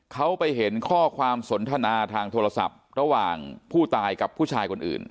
เขาไปเห็นข้อความสนทนาทางโทรศัพท์ระหว่างผู้ตายกับผู้ชายคนอื่น